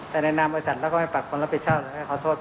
แต่ในนามผู้สารเขาก็ไม่ปลับควรรับผิดชาวเลย